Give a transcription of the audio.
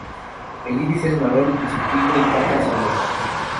El iris es marrón, y su pico y patas son negras.